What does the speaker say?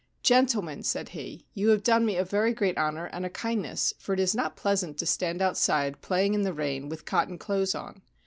' Gentlemen/ said he, ' you have done me a very great honour, and a kindness, for it is not pleasant to stand outside playing in the rain with cotton clothes on.